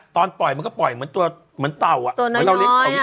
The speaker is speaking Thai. ตอนปล่อยมันก็ปล่อยเหมือนตัวเหมือนเต่าอ่ะเหมือนเราเลี้ยงเต่าญี่ปุ่นอ่ะ